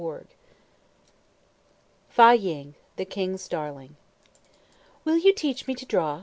FÂ YING, THE KING'S DARLING. "Will you teach me to draw?"